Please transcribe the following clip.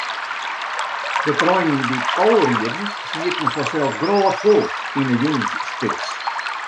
De treinen dy't ál rieden, sieten fansels grôtfol yn 'e jûnsspits.